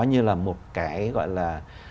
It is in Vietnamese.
như là một cái gọi là